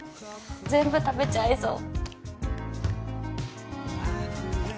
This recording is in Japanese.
全部食べちゃいそう。